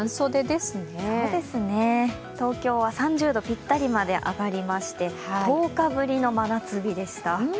東京は３０度ぴったりまで上がりまして１０日ぶりの真夏日でした。